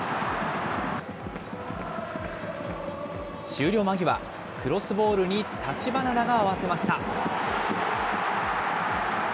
終了間際、クロスボールに橘田が合わせました。